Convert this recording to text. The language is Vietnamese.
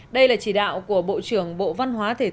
đây là chỉ đạo của bộ trưởng bộ văn hóa thể thao